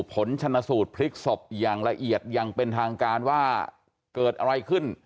ผลชนสูตรพลิกศพอย่างละเอียดอย่างเป็นทางการว่าเกิดอะไรขึ้น